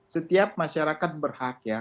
setiap masyarakat berhak ya